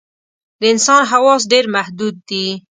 د انسان حواس ډېر محدود دي.